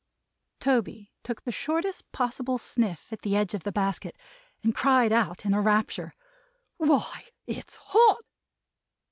Toby took the shortest possible sniff at the edge of the basket, and cried out in a rapture: "Why, it's hot!"